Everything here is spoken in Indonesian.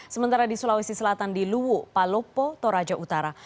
sementara di sulawesi selatan di luwu palopo toraja utara